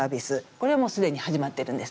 これは、もうすでに始まっているんです。